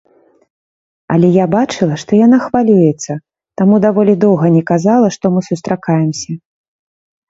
Але я бачыла, што яна хвалюецца, таму даволі доўга не казала, што мы сустракаемся.